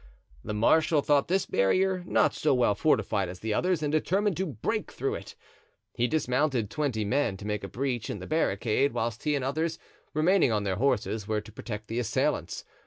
The marshal thought this barrier not so well fortified as the others and determined to break through it. He dismounted twenty men to make a breach in the barricade, whilst he and others, remaining on their horses, were to protect the assailants.